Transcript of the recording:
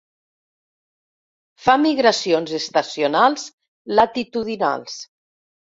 Fa migracions estacionals latitudinals.